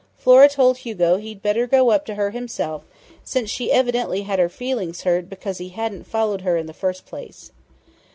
Flora told Hugo he'd better go up to her himself, since she evidently had her feelings hurt because he hadn't followed her in the first place.